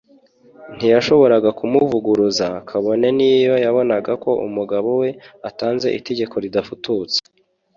ntiyashoboraga kumuvuguruza, kabone n’iyo yabonaga ko umugabo we atanze itegeko ridafututse